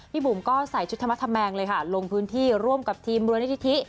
บุ๋มก็ใส่ชุดธรรมธแมงเลยค่ะลงพื้นที่ร่วมกับทีมมูลนิธิ